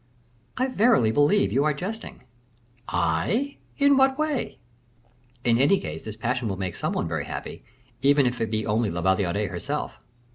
"I verily believe you are jesting." "I! in what way?" "In any case this passion will make some one very happy, even if it be only La Valliere herself."